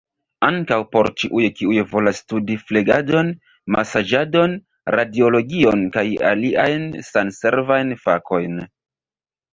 Ankaŭ por ĉiuj kiuj volas studi flegadon, masaĝadon, radiologion, kaj aliajn sanservajn fakojn.